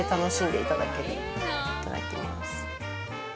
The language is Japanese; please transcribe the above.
いただきます。